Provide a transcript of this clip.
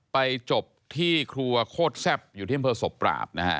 ไปจบที่ครัวโคตรแซ่บอยู่ที่อำเภอศพปราบนะฮะ